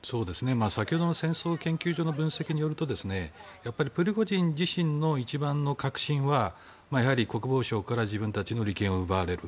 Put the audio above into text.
先ほどの戦争研究所の分析によると、プリゴジン自身の一番の核心はやはり国防省から自分たちの利権を奪われる。